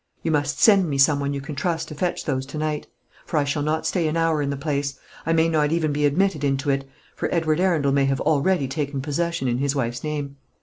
You must send me some one you can trust to fetch those to night; for I shall not stay an hour in the place. I may not even be admitted into it; for Edward Arundel may have already taken possession in his wife's name.